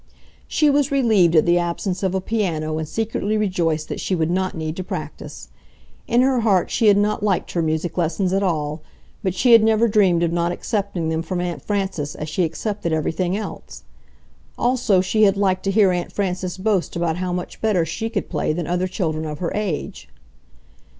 She was relieved at the absence of a piano and secretly rejoiced that she would not need to practice. In her heart she had not liked her music lessons at all, but she had never dreamed of not accepting them from Aunt Frances as she accepted everything else. Also she had liked to hear Aunt Frances boast about how much better she could play than other children of her age.